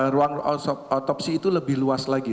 ruang otopsi itu lebih luas lagi